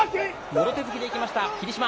もろ手突きでいきました、霧島。